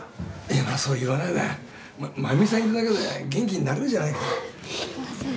まあそう言わないで麻由美さんいるだけで元気になれるじゃないかお義母さん